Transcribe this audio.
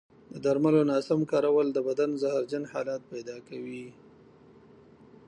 د درملو ناسم کارول د بدن زهرجن حالت پیدا کوي.